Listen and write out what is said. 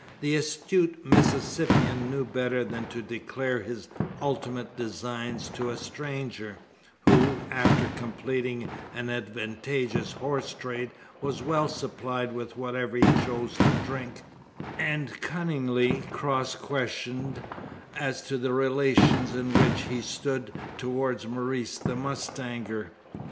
The astute Mississippian knew better than to declare his ultimate designs to a stranger; who, after completing an advantageous horse trade, was well supplied with whatever he chose to drink, and cunningly cross questioned as to the relations in which he stood towards Maurice the mustanger.